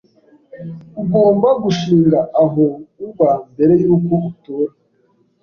Ugomba gushinga aho uba mbere yuko utora.